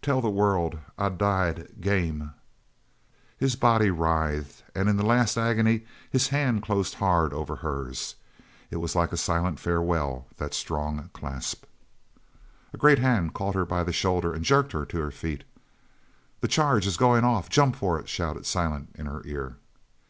"Tell the world I died game!" His body writhed, and in the last agony his hand closed hard over hers. It was like a silent farewell, that strong clasp. A great hand caught her by the shoulder and jerked her to her feet. "The charge is goin' off! Jump for it!" shouted Silent in her ear.